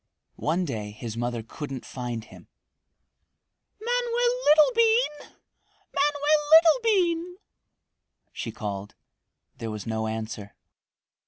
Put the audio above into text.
One day his mother couldn't find him. "Manoel Littlebean! Manoel Littlebean!" she called. There was no answer.